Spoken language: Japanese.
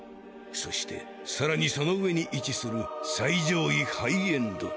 そしてさらにその上に位置する最上位ハイエンド。